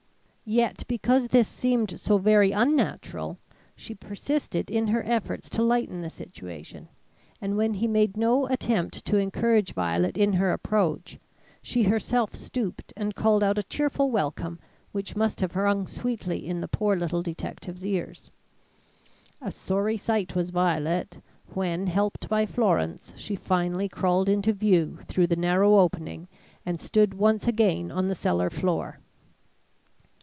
Yet because this seemed so very unnatural, she persisted in her efforts to lighten the situation, and when he made no attempt to encourage Violet in her approach, she herself stooped and called out a cheerful welcome which must have rung sweetly in the poor little detective's ears. A sorry sight was Violet, when, helped by Florence she finally crawled into view through the narrow opening and stood once again on the cellar floor.